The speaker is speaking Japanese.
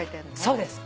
そうです。